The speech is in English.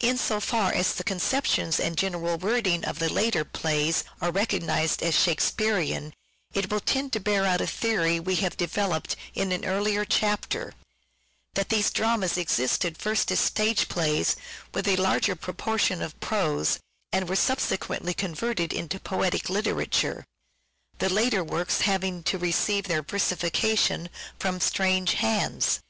In so far as the conceptions and general wording of the later plays are recognized as Shakespearean, it will tend to bear out a theory we have developed in an earlier chapter, that these dramas existed first as stage plays with a larger proportion of prose, and were subsequently converted into poetic literature ; the later works having to receive their versification from strange hands.